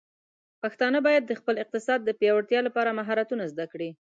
پښتانه بايد د خپل اقتصاد د پیاوړتیا لپاره مهارتونه زده کړي.